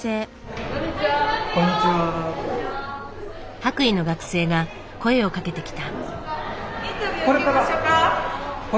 白衣の学生が声をかけてきた。